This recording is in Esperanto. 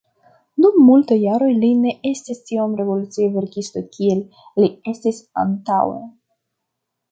Dum multaj jaroj li ne estis tiom revolucia verkisto kiel li estis antaŭe.